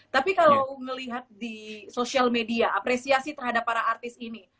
tapi kalau melihat di sosial media apresiasi terhadap para artis ini